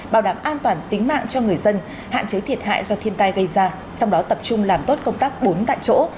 bảo đảm an toàn tính mạng cho người dân hạn chế thiệt hại do thiên tai gây ra trong đó tập trung làm tốt công tác bốn tại chỗ